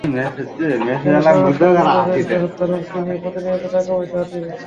কিন্তু সাবেক স্বামী তাদেরকে হত্যার হুমকি দিয়ে প্রতিনিয়ত টাকা পয়সা হাতিয়ে নিচ্ছে।